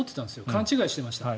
勘違いしてました。